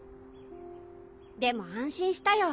でも安心したよ